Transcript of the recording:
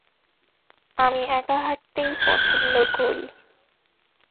আমি এক হাঁটতেই পছন্দ করি।